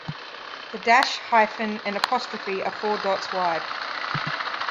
The dash, hyphen, and apostrophe are four dots wide.